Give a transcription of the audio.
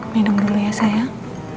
minum dulu ya sayang